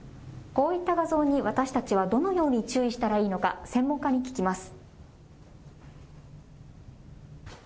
こういった画像に私たちはどのように注意したらいいのか専門家に聞きます。